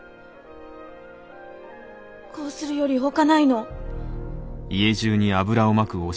こうするよりほかないの。